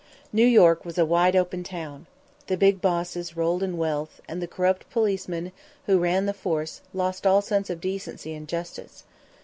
New York was a wide open town. The big bosses rolled in wealth, and the corrupt policemen who ran the force lost all sense of decency and justice.